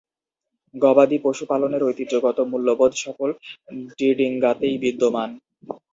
গবাদি পশু পালনের ঐতিহ্যগত মূল্যবোধ সকল ডিডিঙ্গাতেই বিদ্যমান।